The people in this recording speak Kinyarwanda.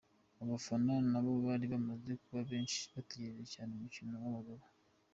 Abafana nabo bari bamaze kuba benshi bategereje cyane umukino w’abagabo.